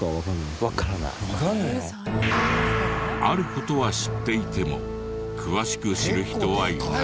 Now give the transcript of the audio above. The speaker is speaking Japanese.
ある事は知っていても詳しく知る人はいない。